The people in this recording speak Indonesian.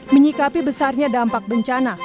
menyikapi besarnya dampak bencana